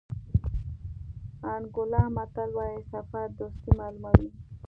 انګولا متل وایي سفر دوستي معلوموي.